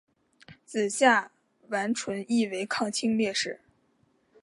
子夏完淳亦为抗清烈士。